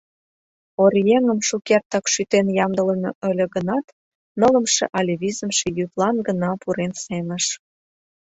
Оръеҥым шукертак шӱтен ямдылыме ыле гынат, нылымше але визымше йӱдлан гына пурен сеҥыш.